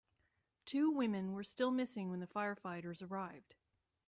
Two women were still missing when the firefighters arrived.